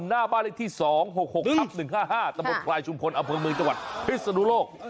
หน้าบ้านเลขที่๒๖๖ทับ๑๕๕ตะบนพลายชุมพลอำเภอเมืองจังหวัดพิศนุโลก